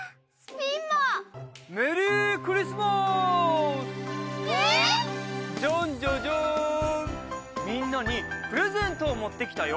みんなにプレゼントを持ってきたよ。